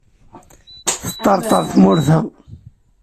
Teṭṭerṭer tmurt-a.